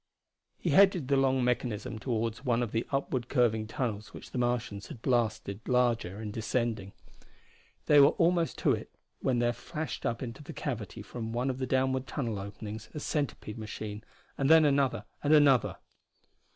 He headed the long mechanism toward one of the upward curving tunnels which the Martians had blasted larger in descending. They were almost to it when there flashed up into the cavity from one of the downward tunnel openings a centipede machine, and then another, and another.